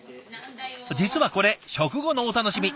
実はこれ食後のお楽しみ。